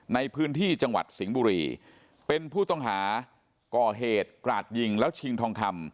ในพื้นที่จังหวัดสิงห์บุรีเป็นผู้ต้องหาก่อเหตุกราดยิงแล้วชิงทองคำ